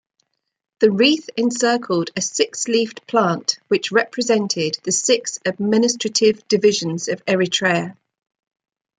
The wreath encircled a six-leafed plant which represented the six administrative divisions of Eritrea.